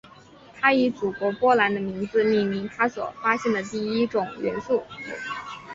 她以祖国波兰的名字命名她所发现的第一种元素钋。